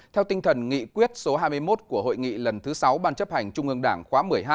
theo tinh thần nghị quyết số hai mươi một của hội nghị lần thứ sáu ban chấp hành trung ương đảng khóa một mươi hai